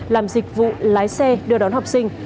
làm dịch vụ lái xe đưa đón học sinh